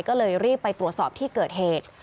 ก็เลยรีบไปตรวจสอบที่เกิดเหตุ